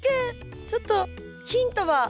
ちょっとヒントは？